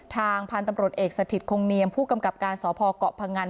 ทางพันธุ์ตำรวจเอกสถิตคงเนียมผู้กำกับการสพเกาะพงัน